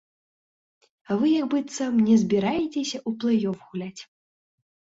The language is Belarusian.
А вы як быццам не збіраецеся ў плэй-оф гуляць.